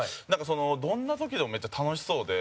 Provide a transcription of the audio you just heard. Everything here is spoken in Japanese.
どんな時でもめっちゃ楽しそうで。